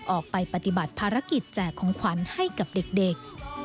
ออกไปปฏิบัติภารกิจแจกของขวัญให้กับเด็ก